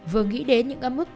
vừa nghĩ đến những âm ức